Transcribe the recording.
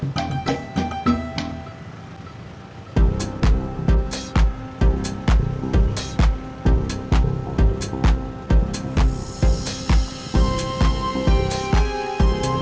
jangan lupa berlangganan ya